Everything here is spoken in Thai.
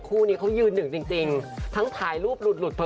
คู่นี้เค้ายืนหนึ่งจริงทั้งทายรูปหลุดเผ้อ